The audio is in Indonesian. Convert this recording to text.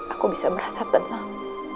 aku bisa merasa tenang